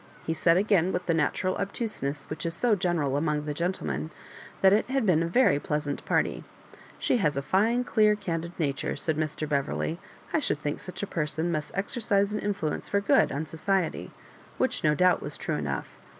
He said again, with the natural obtuseness which is so general among the gentlemen, that it had been a very pleasant party. "She has a fine clear candid nature," said Mr. Beverley ;I should think such a person must ezer ' cise an influence for good on society ;" which, no doubt, was true enough.